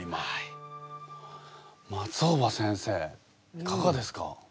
松尾葉先生いかがですか？